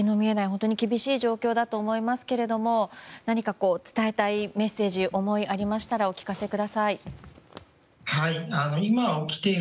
本当に厳しい状況だと思いますが何か伝えたいメッセージ、思いありましたらお聞かせください。